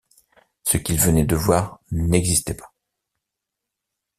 Ce qu’il venait de voir n’existait pas.